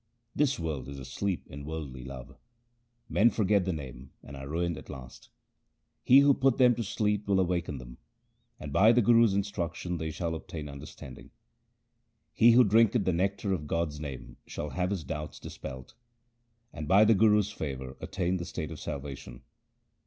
This world is asleep in worldly love. Men forget the Name and are ruined at last. He who put them to sleep will awaken them, and by the Guru's instruction they shall obtain understanding. He who drinketh the nectar of God's name shall have his doubts dispelled, And by the Guru's favour attain the state of salvation.